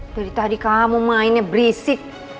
dari tadi kamu mainnya berisik